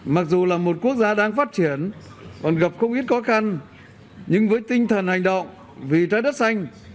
mặc dù là một quốc gia đang phát triển còn gặp không ít khó khăn nhưng với tinh thần hành động vì trái đất xanh